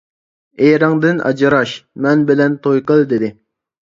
ئېرىڭدىن ئاجراش، مەن بىلەن توي قىل-دېدى.